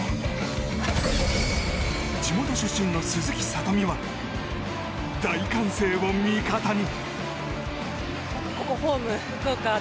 地元出身の鈴木聡美は大歓声を味方に。